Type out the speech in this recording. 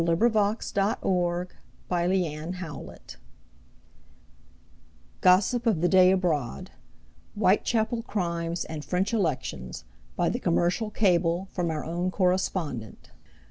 (6 posts) New York Times July 21, 1889 GOSSIP OF THE DAY ABROAD "Whitechapel Crimes and French Elections" by the commercial cable from our own correspondent.